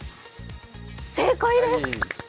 正解です！